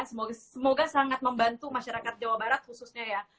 semoga sangat membantu masyarakat jawa barat khususnya ya